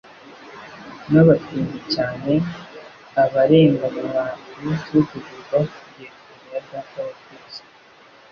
n'abatindi cyane, abarenganywa b'insuzugurwa kugera imbere ya Data wa twese.